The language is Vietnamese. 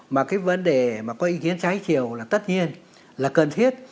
mà cái vấn đề mà có ý kiến trái chiều là tất nhiên là cần thiết